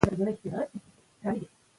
که ګلان وي نو تازه ګي نه ورکیږي.